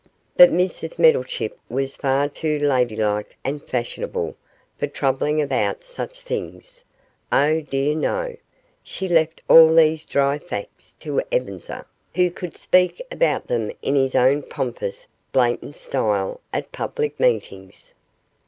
But Mrs Meddlechip was far too ladylike and fashionable for troubling about such things oh dear, no she left all these dry facts to Ebenezer, who could speak about them in his own pompous, blatant style at public meetings.